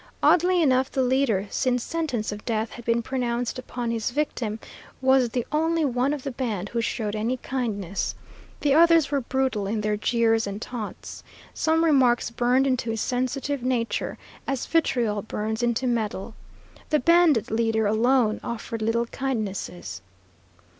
Oddly enough the leader, since sentence of death had been pronounced upon his victim, was the only one of the band who showed any kindness. The others were brutal in their jeers and taunts. Some remarks burned into his sensitive nature as vitriol burns into metal. The bandit leader alone offered little kindnesses.